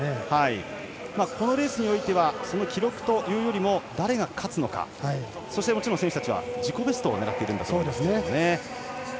このレースにおいては記録というよりも誰が勝つのか、そしてもちろん選手たちは自己ベストを狙っているんだと思います。